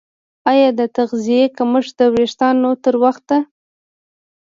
ایا د تغذیې کمښت د ویښتانو تر وخته